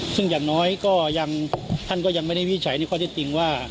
ซึ่งอย่างน้อยก็ยังท่านก็ยังไม่ได้วินิจฉัยในข้อเท็จจริงว่า